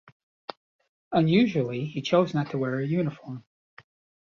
Unusually, he chose not to wear a uniform.